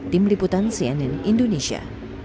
tim liputan cnn indonesia